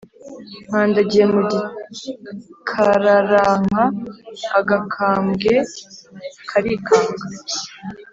Nkandagiye mu gikararanka Agakambwe karikanga,